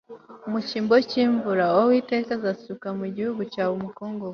Mu cyimbo cyimvura Uwiteka azasuka mu gihugu cyawe umukungugu